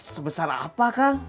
sebesar apa kang